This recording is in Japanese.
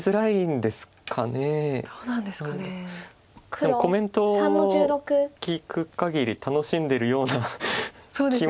でもコメントを聞くかぎり楽しんでるような気もしたんですけれども。